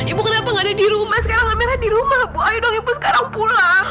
ibu kenapa nggak ada di rumah sekarang kamera di rumah bu ayo dong ibu sekarang pulang